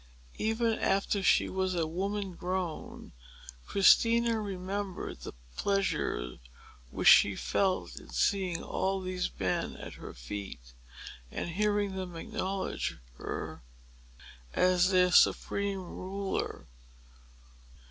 Even after she was a woman grown, Christina remembered the pleasure which she felt in seeing all these men at her feet, and hearing them acknowledge her as their supreme ruler.